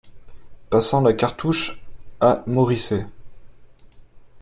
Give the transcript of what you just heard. Passant la cartouche à Moricet.